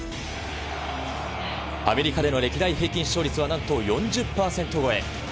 アメリカでの歴代平均視聴率は４０％超え。